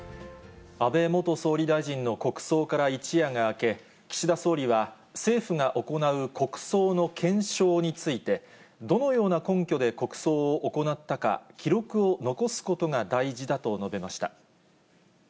安倍元総理大臣の国葬から一夜が明け、岸田総理は、政府が行う国葬の検証について、どのような根拠で国葬を行ったか、記録を残すことが大事だと述べました。